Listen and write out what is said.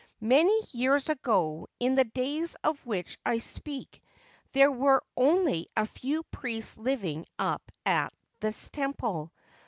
Many years ago, in the days of which I speak, there were only a few priests living up at this temple.